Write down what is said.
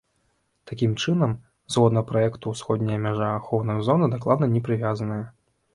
Такім чынам, згодна праекту ўсходняя мяжа ахоўнай зоны дакладна не прывязаная.